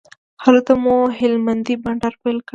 هلته مو هلمندی بانډار پیل کړ.